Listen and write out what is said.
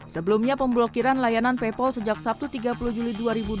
sebelumnya pemblokiran layanan paypal sejak sabtu tiga puluh juli dua ribu dua puluh